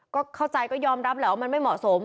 ก็เข้าใจก็ยอมรับแหละว่ามันไม่เหมาะสม